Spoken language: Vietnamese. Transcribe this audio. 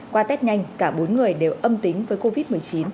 qua test nhanh cả bốn người đều âm tính với covid một mươi chín